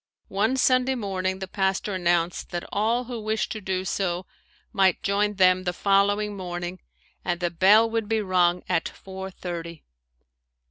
One Sunday morning the pastor announced that all who wished to do so might join them the following morning and the bell would be rung at four thirty.